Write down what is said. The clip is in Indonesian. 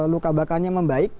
luka bakarnya membaik